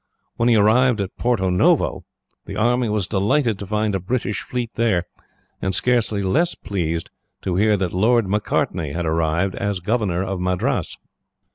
When he arrived at Porto Novo, the army was delighted to find a British fleet there, and scarcely less pleased to hear that Lord Macartney had arrived as governor of Madras.